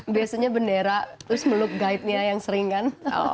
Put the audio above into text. biasanya bendera terus meluk guide nya yang sering kan